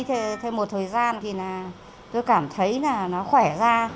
thế một thời gian thì là tôi cảm thấy là nó khỏe ra